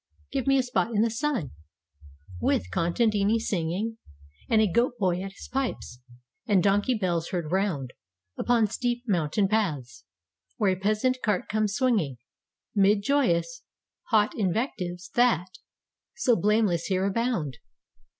Give me a spot in the sun, With contadini singing, And a goat boy at his pipes And donkey bells heard round Upon steep mountain paths Where a peasant cart comes swinging Mid joyous hot invectives that So blameless here abound.